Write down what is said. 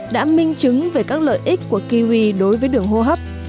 đã minh chứng về các lợi ích của kiwi đối với đường hô hấp